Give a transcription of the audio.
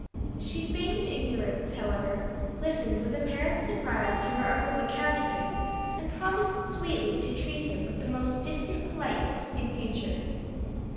She feigned ignorance however, listened with apparent surprise to her uncle's account of him and promised sweetly to treat him with the most distant politeness in future.